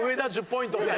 １０ポイント。